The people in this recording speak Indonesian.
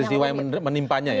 peristiwa yang menimpanya ya